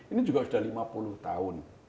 ini juga sudah lima puluh tahun